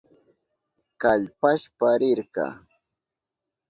Kallpashpa rirka.